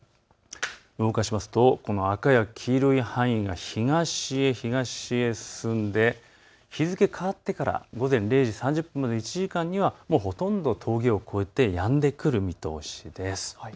動かすと、この赤や黄色の範囲が東へ東へ進んで日付が変わってから午前０時３０分までの１時間にはほとんど峠を越えてやんでくる見通しです。